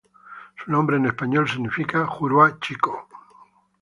Su nombre en español significa "Juruá Chico".